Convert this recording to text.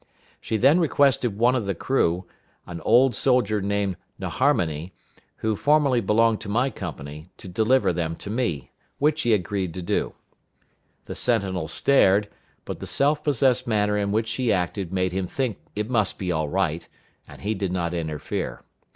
She then requested one of the crew, an old soldier named M'Narhamy, who formerly belonged to my company, to deliver them to me, which he agreed to do. The sentinel stared, but the self possessed manner in which she acted made him think it must be all right, and he did not interfere.